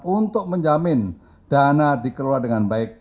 untuk menjamin dana dikelola dengan baik